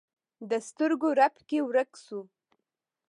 د سترګو رپ کې ورک شو